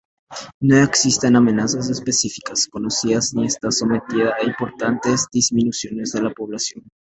No existen amenazas específicas conocidas ni está sometida a importantes disminuciones de la población.